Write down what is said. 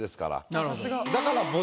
なるほど。